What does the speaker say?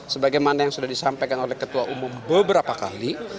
sebagaimana yang sudah disampaikan oleh ketua umum beberapa kali